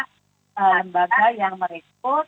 lembaga yang merekrut